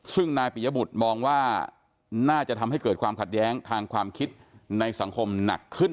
ซึ่งนายปิยบุตรมองว่าน่าจะทำให้เกิดความขัดแย้งทางความคิดในสังคมหนักขึ้น